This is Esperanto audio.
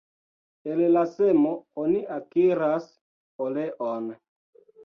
El la semo oni akiras oleon.